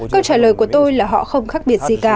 câu trả lời của tôi là họ không khác biệt gì cả